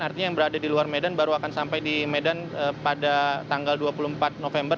artinya yang berada di luar medan baru akan sampai di medan pada tanggal dua puluh empat november